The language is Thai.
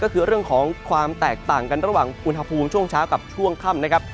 ของความแตกต่างกันระหว่างอุณหภูมิช่วงเช้ากับช่วงค่ำ